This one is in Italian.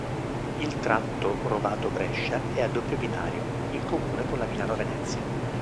Il tratto Rovato-Brescia è a doppio binario, in comune con la Milano-Venezia.